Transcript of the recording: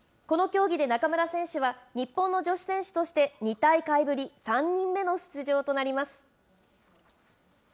この競技で中村選手は、日本の女子選手として、２大会ぶり３人目の出場となります。